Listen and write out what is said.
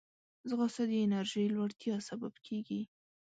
ځغاسته د انرژۍ لوړتیا سبب کېږي